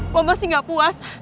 lo masih gak puas